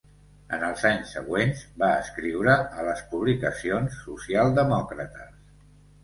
En els anys següents va escriure a les publicacions socialdemòcrates.